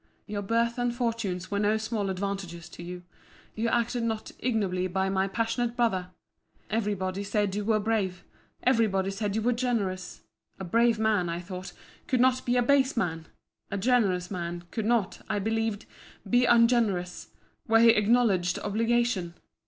Your birth and fortunes were no small advantages to you.—You acted not ignobly by my passionate brother. Every body said you were brave: every body said you were generous: a brave man, I thought, could not be a base man: a generous man, could not, I believed, be ungenerous, where he acknowledged obligation.